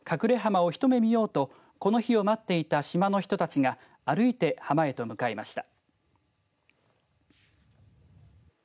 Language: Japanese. きのうはかくれ浜を一目見ようとこの日を待っていた島の人たちが歩いて浜へと向かいました。